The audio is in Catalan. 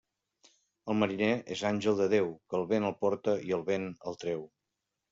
El mariner és àngel de Déu, que el vent el porta i el vent el treu.